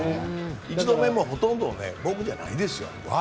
１度目もほとんどボークじゃないですよ。